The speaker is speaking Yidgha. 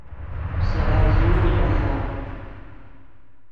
سے ہرزوغ لیخو